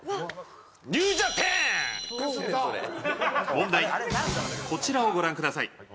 「問題こちらをご覧ください」